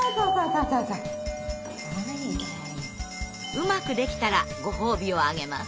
うまくできたらご褒美をあげます。